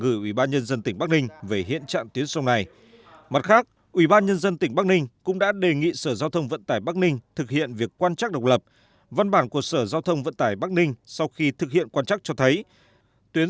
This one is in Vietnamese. ủy ban nhân dân tỉnh bắc ninh cho biết dự án nạo vét duy tù luồng đường thủy nội địa quốc gia kết hợp với tận thu sản phẩm trên sông cầu được công ty cổ phần trục vất luồng hạ liêu thực hiện